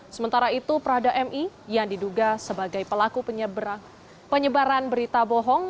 sementara itu prada mi yang diduga sebagai pelaku penyebaran berita bohong